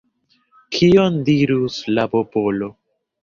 Kion dirus la popolo?